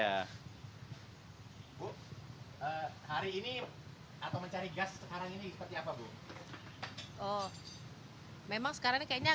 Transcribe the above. hari ini atau mencari gas sekarang ini seperti apa bu